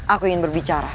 aku ingin berbicara